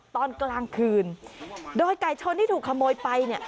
ตอนกลางคืนโดยไก่ชนที่ถูกขโมยไปเนี่ย